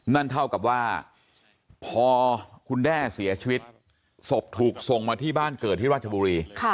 นั่นเท่ากับว่าพอคุณแด้เสียชีวิตศพถูกส่งมาที่บ้านเกิดที่ราชบุรี